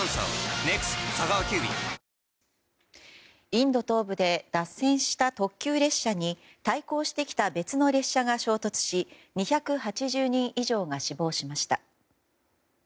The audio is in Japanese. インド東部で脱線した特急列車に対向してきた別の列車が衝突し２８０人以上が死亡しました。